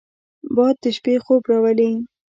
باد د شپې خوب راولي